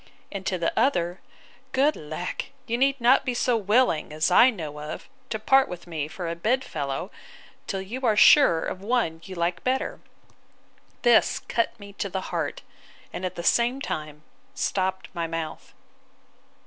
And to the other, Good lack! you need not be so willing, as I know of, to part with me for a bed fellow, till you are sure of one you like better. This cut me to the heart; and, at the same time, stopped my mouth.